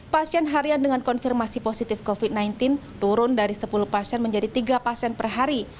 pasien harian dengan konfirmasi positif covid sembilan belas turun dari sepuluh pasien menjadi tiga pasien per hari